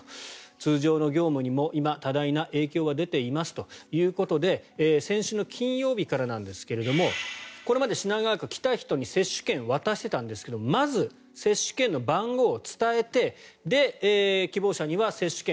通常の業務にも今、多大な影響が出ていますということで先週の金曜日からなんですがこれまで、品川区は来た人に接種券を渡していたんですがまず接種券の番号を伝えて希望者には接種券